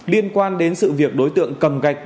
liên quan đến sự việc đối tượng cầm gạch